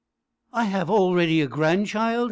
"I have already a grandchild!"